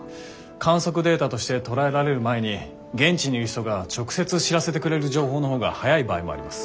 観測データとして捉えられる前に現地にいる人が直接知らせてくれる情報の方が早い場合もあります。